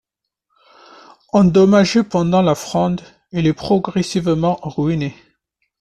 Endommagé pendant la Fronde, il est progressivement ruiné.